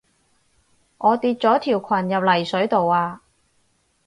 我跌咗條裙入泥水度啊